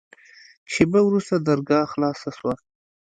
شېبه وروسته درګاه خلاصه سوه.